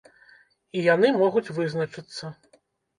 І яны могуць вызначыцца.